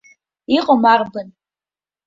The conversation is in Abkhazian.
Иҟам арбан?